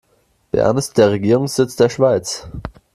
Bern ist der Regierungssitz der Schweiz.